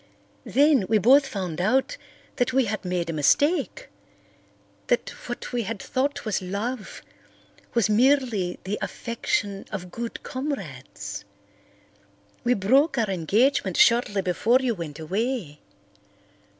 Then we both found out that we had made a mistake—that what we had thought was love was merely the affection of good comrades. We broke our engagement shortly before you went away.